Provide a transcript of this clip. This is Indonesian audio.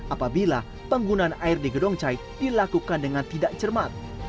apabila penggunaan air di gedong cai dilakukan dengan tidak cermat